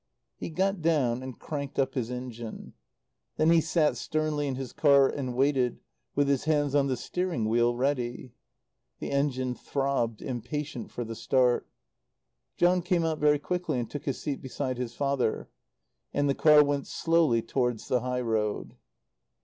He got down and cranked up his engine. Then he sat sternly in his car and waited, with his hands on the steering wheel, ready. The engine throbbed, impatient for the start. John came out very quickly and took his seat beside his father. And the car went slowly towards the high road.